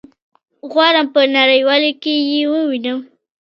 غواړم په نړيوالو کي يي ووينم